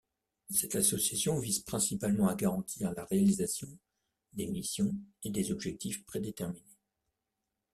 Cette association vise principalement à garantir la réalisation des missions et des objectifs prédéterminés.